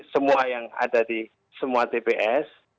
semua yang ada di semua tps